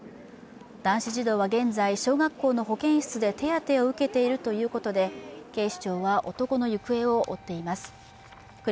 男子児童は現在、小学校の保健室で手当を受けているということで警視庁は男の行方を追っています。